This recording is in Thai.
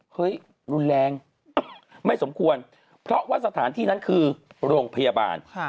รุนแรงไม่สมควรเพราะว่าสถานที่นั้นคือโรงพยาบาล